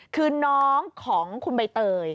คือน้องของคุณใบเตย